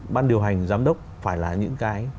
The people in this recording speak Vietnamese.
ban điều hành giám đốc phải là những cái